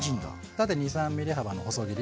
縦２３ｍｍ幅の細切り。